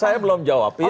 saya belum jawab itu